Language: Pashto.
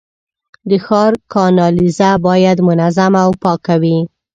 د ښار کانالیزه باید منظمه او پاکه وي.